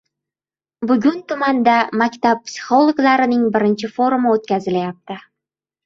Bugun tumanda maktab psixologlarining birinchi forumi oʻtkazilayapti.